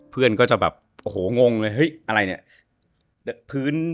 เพื่อนก็จะแบบโอ้โหงงเลยเฮ้ยอะไรเนี่ย